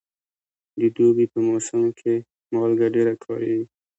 د دوبي په موسم کې مالګه ډېره کارېږي.